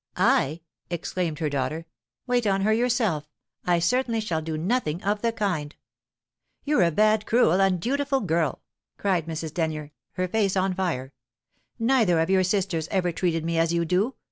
"I?" exclaimed her daughter. "Wait on her yourself! I certainly shall do nothing of the kind." "You're a bad, cruel, undutiful girl!" cried Mrs. Denyer, her face on fire. "Nether of your sisters ever treated me as you do.